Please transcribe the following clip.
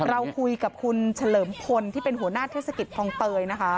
เราคุยกับคุณเฉลิมพลที่เป็นหัวหน้าเทศกิจคลองเตยนะคะ